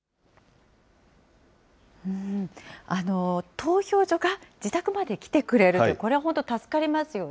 投票所が自宅まで来てくれると、これは本当、助かりますよね。